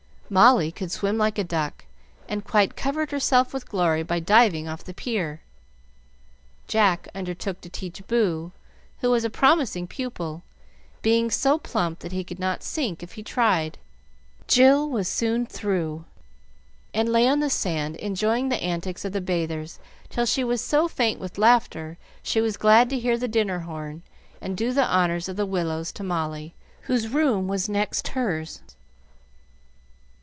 Molly could swim like a duck, and quite covered herself with glory by diving off the pier. Jack undertook to teach Boo, who was a promising pupil, being so plump that he could not sink if he tried. Jill was soon through, and lay on the sand enjoying the antics of the bathers till she was so faint with laughter she was glad to hear the dinner horn and do the honors of the Willows to Molly, whose room was next hers.